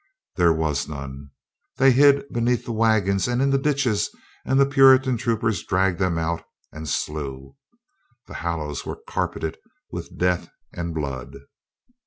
There was none. They hid beneath the wagons and in the ditches and the Puritan troopers dragged them out and slew. The hollows were carpeted with death and blood.